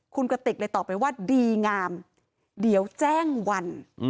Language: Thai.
คุณกติกเลยตอบไปว่าดีงามเดี๋ยวแจ้งวัน